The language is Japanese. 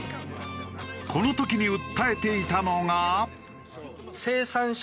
この時に訴えていたのが。